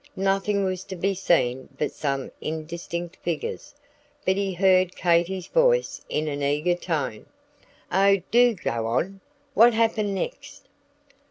Nothing was to be seen but some indistinct figures, but he heard Katy's voice in an eager tone: "Oh, do go on. What happened next?"